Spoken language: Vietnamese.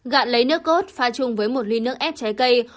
gạt lấy nước cốt pha chung với một ly nước ép trái cây